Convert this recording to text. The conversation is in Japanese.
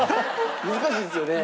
難しいですよね？